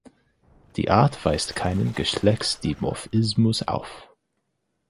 Die Art weist keinen Geschlechtsdimorphismus auf.